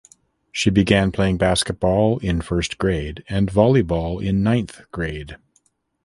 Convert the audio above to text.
She began playing basketball in first grade and volleyball in ninth grade.